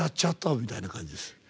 見たいな感じです。